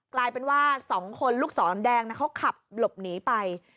กลายเป็นว่า๒คนลูกศรแดงเขาขับหลบหนีไป